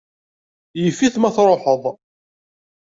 Yif-it ma tṛuḥeḍ.